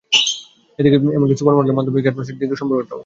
এমনকি সুপারমডেল বান্ধবী কেট মসের সঙ্গে দীর্ঘ সম্পর্কটাও বিয়ের পরিণতি পায়নি।